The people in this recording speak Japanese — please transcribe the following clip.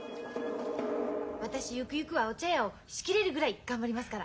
私ゆくゆくはお茶屋を仕切れるぐらい頑張りますから。